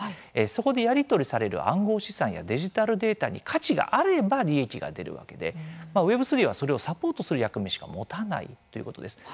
そこでやり取りされる暗号資産やデジタルデータに価値があれば利益が出るわけでＷｅｂ３は、それをサポートする役目しか持たないということです。